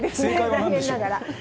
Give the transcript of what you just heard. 残念ながら。